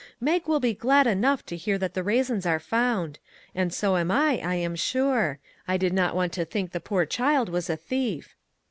" Mag will be glad enough to hear that the raisins are found. And so am I, I am sure; I did not want to think the poor child was a thief.